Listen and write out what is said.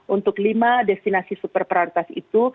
untuk lima destinasi super prioritas itu